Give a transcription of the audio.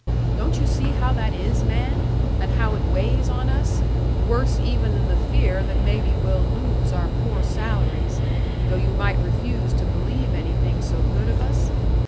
Don't you see how that is, man? And how it weighs on us, worse even then the fear that maybe we'll lose our poor salaries though you might refuse to believe anything so good of us?